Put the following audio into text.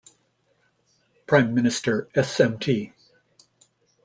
Prime Minister Smt.